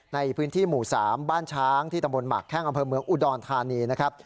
ในพื้นที่หมู่๓บ้านช้างที่ตำบลหมากแข้งอำเภอเมืองอุดรธานีนะครับ